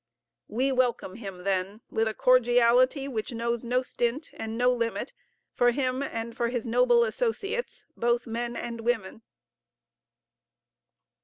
We welcome him then with a cordiality which knows no stint and no limit for him and for his noble associates, both men and women.